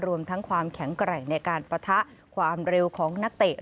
รวมทั้งความแข็งแกร่งในการปะทะความเร็วของนักเตะ